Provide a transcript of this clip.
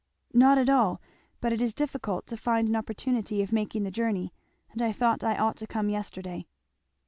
"Not at all, but it is difficult to find an opportunity of making the journey, and I thought I ought to come yesterday."